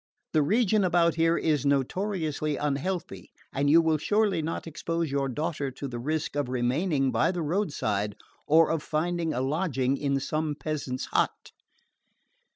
The region about here is notoriously unhealthy and you will surely not expose your daughter to the risk of remaining by the roadside or of finding a lodging in some peasant's hut."